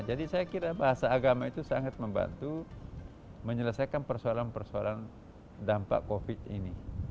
jadi saya kira bahasa agama itu sangat membantu menyelesaikan persoalan persoalan dampak covid ini